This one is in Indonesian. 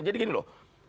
jadi gini loh